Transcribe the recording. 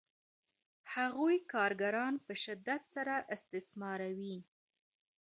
هغوی کارګران په شدت سره استثماروي